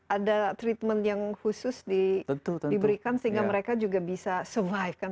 ada treatment yang khusus diberikan sehingga mereka juga bisa survive kan